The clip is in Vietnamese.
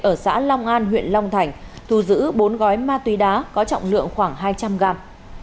ở xã long an huyện long thành thu giữ bốn gói ma túy đá có trọng lượng khoảng hai trăm linh gram